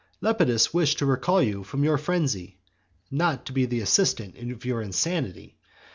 Lepidus wished to recal you from your frenzy, not to be the assistant of your insanity.